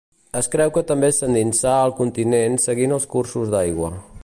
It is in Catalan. Es creu que també s'endinsà al continent seguint els cursos d'aigua.